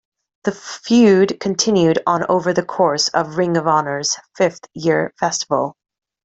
The feud continued on over the course of Ring of Honor's Fifth Year Festival.